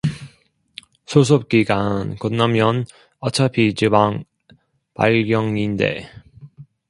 수습 기간 끝나면 어차피 지방 발령인데